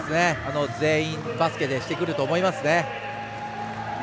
全員、バスケでしてくると思いますね。